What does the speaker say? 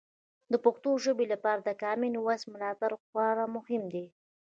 د پښتو ژبې لپاره د کامن وایس ملاتړ خورا مهم دی.